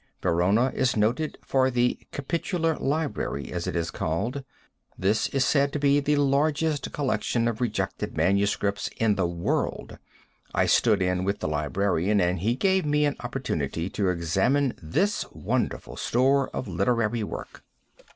Verona is noted for the Capitular library, as it is called. This is said to be the largest collection of rejected manuscripts in the world. I stood in with the librarian and he gave me an opportunity to examine this wonderful store of literary work.